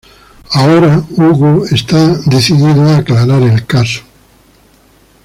Ahora, Hugo está decidido a aclarar el caso.